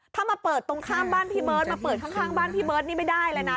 ถ้ามาเปิดตรงข้ามบ้านพี่เบิร์ตมาเปิดข้างบ้านพี่เบิร์ตนี่ไม่ได้เลยนะ